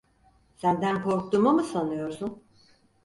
Senden korktuğumu mu sanıyorsun?